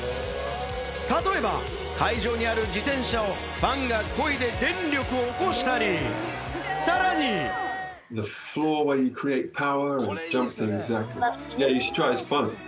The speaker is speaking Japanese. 例えば会場にある自転車をファンがこいで電力を起こしたり、さらに。これ、いいですよね。